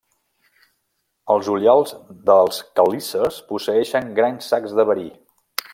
Els ullals dels quelícers posseeixen grans sacs de verí.